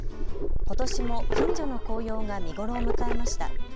ことしも近所の紅葉が見頃を迎えました。